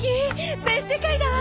別世界だわ！